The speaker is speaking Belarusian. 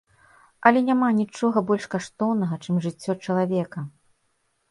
Але няма нічога больш каштоўнага, чым жыццё чалавека.